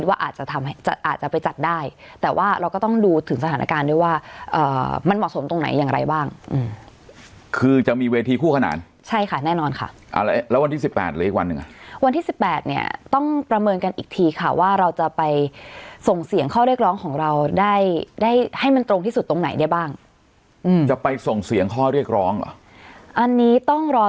ว่าอาจจะทำให้อาจจะไปจัดได้แต่ว่าเราก็ต้องดูถึงสถานการณ์ด้วยว่ามันเหมาะสมตรงไหนอย่างไรบ้างคือจะมีเวทีคู่ขนานใช่ค่ะแน่นอนค่ะแล้ววันที่สิบแปดหรืออีกวันหนึ่งอ่ะวันที่สิบแปดเนี่ยต้องประเมินกันอีกทีค่ะว่าเราจะไปส่งเสียงข้อเรียกร้องของเราได้ได้ให้มันตรงที่สุดตรงไหนได้บ้างจะไปส่งเสียงข้อเรียกร้องเหรออันนี้ต้องรอ